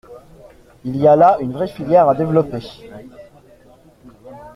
Il y a là une vraie filière à développer.